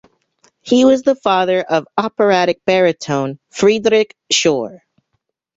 He was the father of operatic baritone Friedrich Schorr.